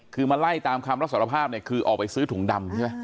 คือมาไล่ตามคำรับสารภาพเนี่ยคือออกไปซื้อถุงดำใช่ไหม